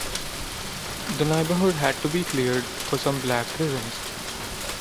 The neighbourhood had to be cleared for some black business.